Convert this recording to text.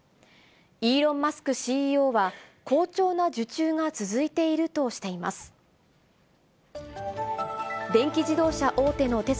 イーロン・マスクＣＥＯは、好調な受注が続いているとしています。